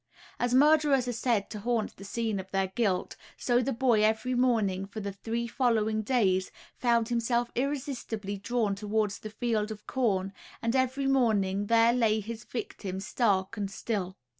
As murderers are said to haunt the scene of their guilt, so the boy every morning, for the three following days, found himself irresistibly drawn towards the field of corn, and every morning there lay his victim stark and still.